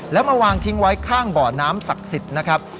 แล้วมาวางทิ้งไว้ข้างบ่อน้ำศักดิ์สิทธิ์นะครับ